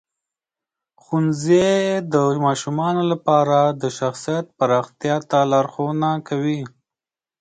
ښوونځی د ماشومانو لپاره د شخصیت پراختیا ته لارښوونه کوي.